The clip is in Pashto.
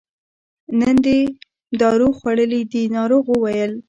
نن دې دارو خوړلي دي ناروغ وویل.